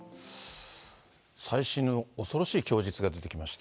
最新の恐ろしい供述が出てきまして。